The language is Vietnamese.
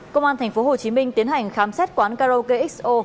công an tp hcm tiến hành khám xét quán karo kxo